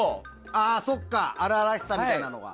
ああ、そっか荒々しさみたいなものが。